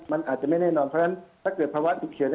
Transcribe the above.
มันอาจจะไม่แน่นอนเพราะฉะนั้นถ้าเกิดภาวะฉุกเฉิน